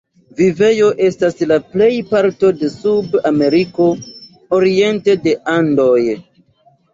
Vivejo estas la plejparto de Sud-Ameriko oriente de Andoj.